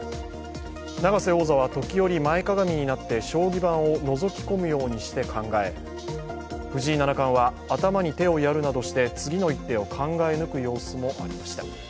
永瀬王座は時折、前かがみになって将棋盤をのぞき込むようにして考え、藤井七冠は頭に手をやるなどして次の一手を考え抜く様子もありました。